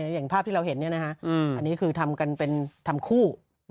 อย่างภาพที่เราเห็นอันนี้คือทำกันเป็นทำคู่